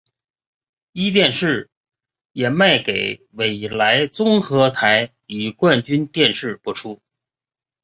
壹电视也卖给纬来综合台与冠军电视播出。